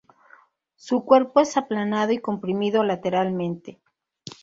Su cuerpo es aplanado y comprimido lateralmente.